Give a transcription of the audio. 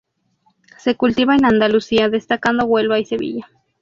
Se cultiva en Andalucía, destacando Huelva y Sevilla.